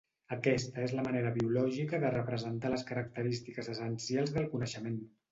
Aquesta és la manera biològica de representar les característiques essencials del coneixement.